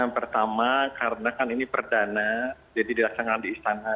pertama karena ini perdana jadi dilaksanakan di istana